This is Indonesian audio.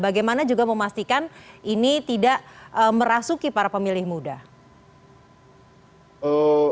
bagaimana juga memastikan ini tidak merasuki para pemilih muda